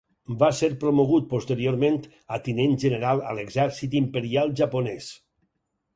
Va ser promogut posteriorment a Tinent General a l'Exèrcit imperial japonès.